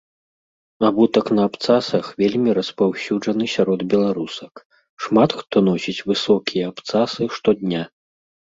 Абутак на абцасах вельмі распаўсюджаны сярод беларусак, шмат хто носіць высокія абцасы штодня.